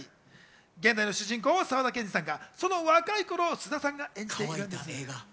現代の主人公・沢田研二さんがその若い頃を菅田さんが演じています。